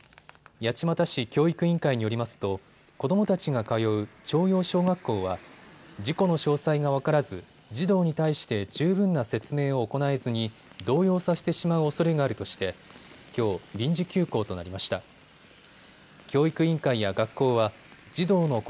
八街市教育委員会によりますと子どもたちが通う朝陽小学校は事故の詳細が分からず、児童に対して十分な説明を行えずに動揺させてしまうおそれがあるとしてきょう、臨時休校となりました。